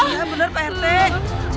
iya bener prt